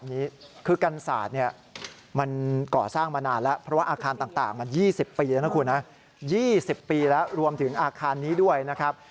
๒๐ปีแล้วรวมถึงอาคารนี้ด้วยนะครับ